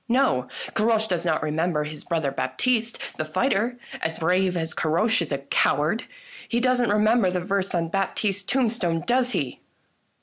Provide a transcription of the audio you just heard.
No, Caroche does not remember his brother Baptiste the fighter, as brave as Caroche is a coward ! He doesn't remember the verse on Bap tiste's tombstone, does he?"